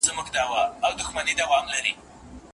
هرکس چي دوې لوڼي وروزي هغه ولي جنتي دی؟